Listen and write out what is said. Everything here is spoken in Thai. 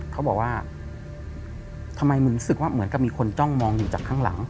เขาบอกว่าทำไมมึงรู้สึกว่าเหมือนกับมีคนจ้องมองอยู่จากข้างหลัง